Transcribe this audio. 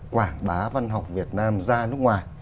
quảng bá văn học việt nam ra nước ngoài